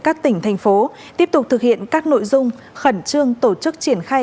các tỉnh thành phố tiếp tục thực hiện các nội dung khẩn trương tổ chức triển khai